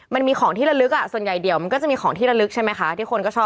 มันมีของที่ระลึกส่วนใหญ่เดี่ยวมันก็จะมีของที่ระลึกใช่ไหมคะที่คนก็ชอบ